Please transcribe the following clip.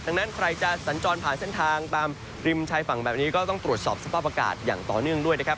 ดังนั้นใครจะสัญจรผ่านเส้นทางตามริมชายฝั่งแบบนี้ก็ต้องตรวจสอบสภาพอากาศอย่างต่อเนื่องด้วยนะครับ